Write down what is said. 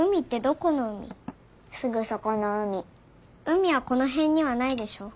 海はこのへんにはないでしょ？